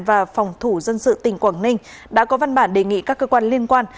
và phòng thủ dân sự tỉnh quảng ninh đã có văn bản đề nghị các cơ quan liên quan